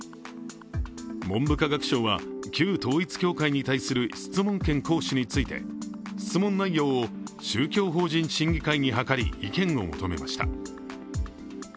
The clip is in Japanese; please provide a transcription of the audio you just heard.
文部科学省は、旧統一教会に対する質問権行使について質問内容を宗教法人審議会に諮り意見を求めました。